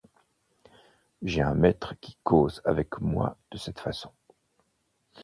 J’ai un maître qui cause avec moi de cette façon.